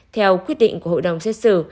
theo quyết định của hội đồng xét xử